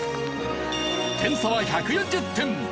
点差は１４０点。